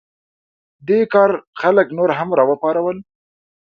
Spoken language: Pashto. دې کار خلک نور هم راوپارول.